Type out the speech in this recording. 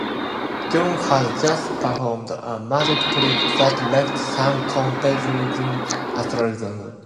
John had just performed a magic trick that left Sam completely astounded.